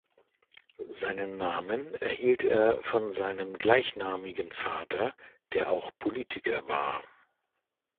Seinen Namen erhielt er von seinem gleichnamigen Vater, der auch Politiker war.